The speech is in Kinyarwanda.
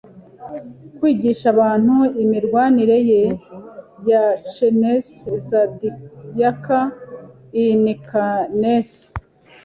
kwigisha abantu imirwanire ye ya Chinese Zodiac in Cannes